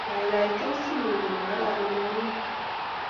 Gaigai, tos ingen kole kararan angne?